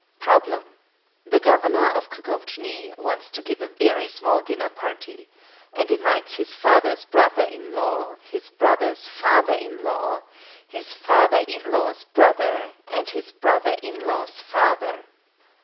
Problem. "The Governor of Kgovjni wants to give a very small dinner party, and invites his father's brother in law, his brother's father in law, his father in law's brother, and his brother in law's father.